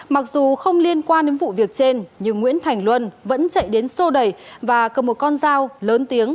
mặc dù không liên quan đến vụ việc trên nhưng nguyễn thành luân vẫn chạy đến sô đẩy và cầm một con dao lớn tiếng